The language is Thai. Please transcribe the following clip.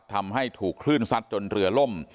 ทำให้ถูกคลื่นซัดจนเรือล่ม